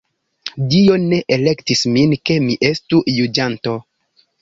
Dio ne elektis min, ke mi estu juĝanto.